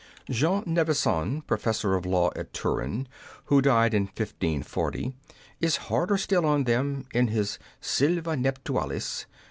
Jean Nevisan, professor of law at Turin, who died in 1540, is harder still on them in his Sylva Nuptialis.